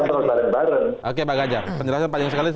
oke pak gajar penjelasan panjang sekali